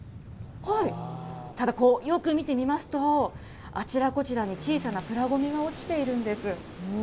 ただよく見てみますと、あちらこちらに小さなプラごみが落ちているんです。